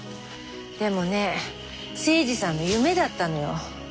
でもね精二さんの夢だったのよ。